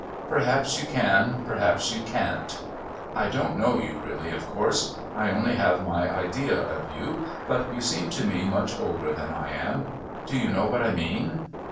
"Perhaps you can perhaps you can't. I don't know you really, of course I only have my idea of you. But you seem to me much older than I am. Do you know what I mean?